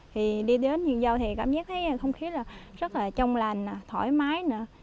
thì đi đến vườn dâu thì cảm giác thấy không khí là rất là trong lành thoải mái nữa